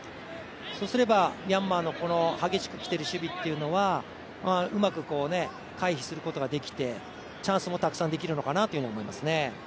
そうすればミャンマーの激しくきている守備というのはうまく回避することができてチャンスもたくさんできるのかなと思いますね。